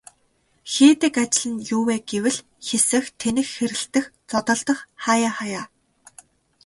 Хийдэг ажил нь юу вэ гэвэл хэсэх, тэнэх хэрэлдэх, зодолдох хааяа хааяа.